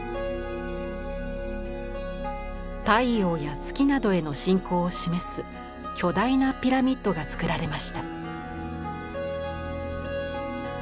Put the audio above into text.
太陽や月などへの信仰を示す巨大なピラミッドがつくられました。